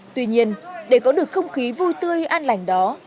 tuy nhiên để có được không khí vui tươi an lành đó